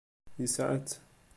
Yesɛa-tt.